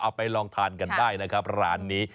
ไปลองทานกันได้นะครับร้านนี้